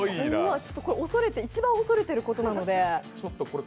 一番恐れてることなので。